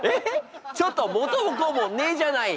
ちょっと元も子もねえじゃない！